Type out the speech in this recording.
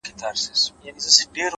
دغه سپينه سپوږمۍ ـ